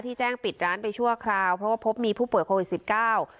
แจ้งปิดร้านไปชั่วคราวเพราะว่าพบมีผู้ป่วยโควิดสิบเก้า